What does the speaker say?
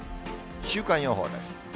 週間予報です。